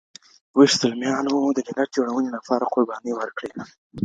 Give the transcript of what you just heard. ويښ زلميانو د ملت جوړونې لپاره قربانۍ ورکړې.